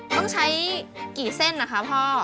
ต้องใช้กี่เส้นนะคะพ่อ